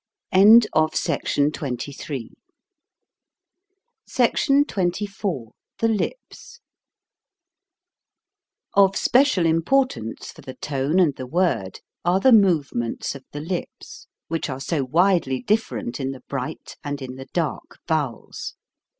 SECTION XXIV THE LIPS OF special importance for the tone and the word are the movements of the lips, which are so widely different in the bright and in the dark vowels.